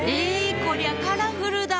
こりゃカラフルだ！